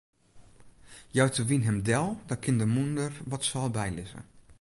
Jout de wyn him del, dan kin de mûnder wat seil bylizze.